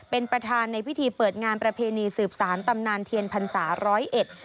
เป็นประธานในพิธีเปิดงานประเพณีสืบสารตำนานเทียนพรรษาร้อยเอ็ด